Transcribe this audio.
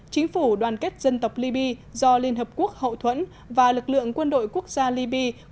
chính phủ đoàn kết dân tộc libya do liên hợp quốc hậu thuẫn và lực lượng quân đội quốc gia libya